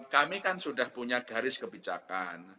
kami kan sudah punya garis kebijakan